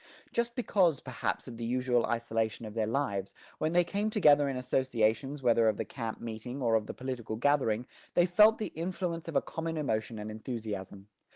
Just because, perhaps, of the usual isolation of their lives, when they came together in associations whether of the camp meeting or of the political gathering, they felt the influence of a common emotion and enthusiasm.